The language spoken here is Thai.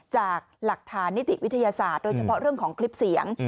จากหลักฐานนิติวิทยาศาสตร์โดยเฉพาะเรื่องของคลิปเสียง